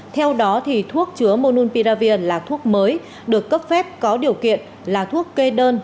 theo đó thuốc chứa monopiravir là thuốc mới được cấp phép có điều kiện là thuốc kê đơn